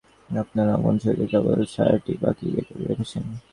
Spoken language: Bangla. আপনার অমন শরীরের কেবল ছায়াটি বাকি রেখেছেন!